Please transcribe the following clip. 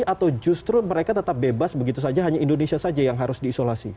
atau justru mereka tetap bebas begitu saja hanya indonesia saja yang harus diisolasi